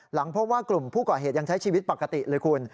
หลังพบว่ากลุ่มผู้ก่อเหตุยังใช้ชีวิตปกติเลยคุณ